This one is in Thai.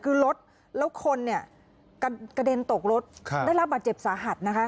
คือรถแล้วคนเนี่ยกระเด็นตกรถได้รับบาดเจ็บสาหัสนะคะ